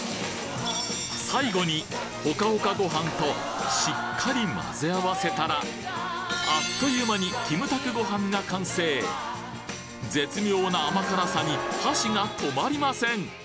最後にほかほかご飯としっかり混ぜ合わせたらあっという間にキムタクご飯が完成絶妙な甘辛さに箸が止まりません